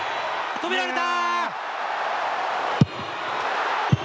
止められた！